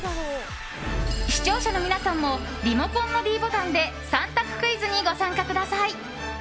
視聴者の皆さんもリモコンのｄボタンで３択クイズにご参加ください。